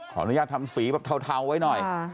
ขออนุญาตทำสีแบบเทาไว้หน่อย